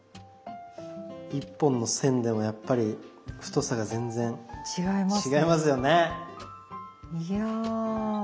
一本の線でもやっぱり太さが全然違いますよね。